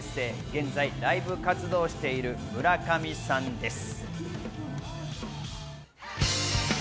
現在、ライブ活動をしている村上さんです。